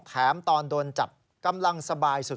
แถมตอนโดนจับกำลังสบายสุด